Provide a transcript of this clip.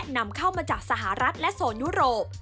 นำเข้ามาจากสหรัฐและโซนยุโรป